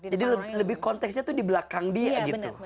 jadi lebih konteksnya tuh di belakang dia gitu